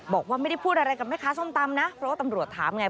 บอกว่าไม่ได้พูดอะไรกับแม่ค้าส้มตำนะเพราะว่าตำรวจถามไง